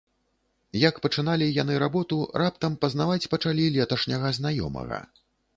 Як пачыналі яны работу, раптам пазнаваць пачалі леташняга знаёмага.